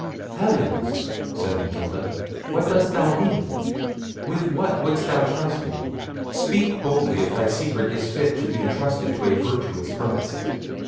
"Heavens!" said Matilda, "what dost thou mean? With what wouldst thou trust me? Speak boldly, if thy secret is fit to be entrusted to a virtuous breast."